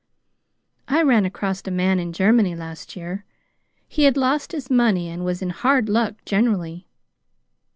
"I ran across a man in Germany last year. He had lost his money, and was in hard luck generally.